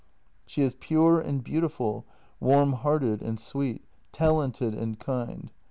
She is pure and beautiful, warm hearted and sweet, talented and kind.